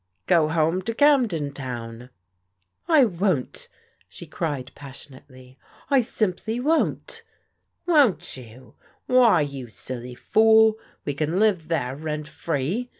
" Go home to Camden Town." *' I won't !" she cried passionately. I simply won't !"" Won't you? Why, you silly fool, we can live there rent free.